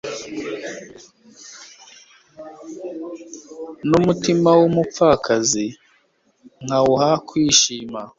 n'umutima w'umupfakazi nkawuha kwishima